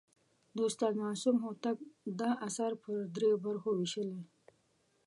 د استاد معصوم هوتک دا اثر پر درې برخو ویشلی.